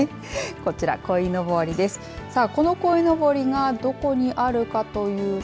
こちら、こいのぼりです。